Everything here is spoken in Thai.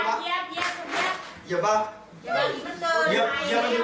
ทางดิวาริสิทธิ์